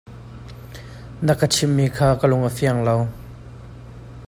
Na ka chimhmi kha kan lung a fiang lo.